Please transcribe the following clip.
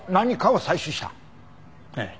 ええ。